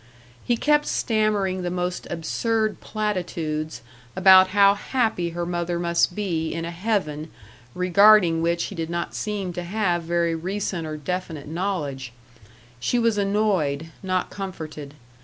He kept stammering the most absurd platitudes about how happy her mother must be in a heaven regarding which he did not seem to have very recent or definite knowledge. She was annoyed, not comforted.